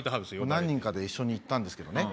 何人かで一緒に行ったんですけどね